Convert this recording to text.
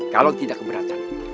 kalau tidak keberatan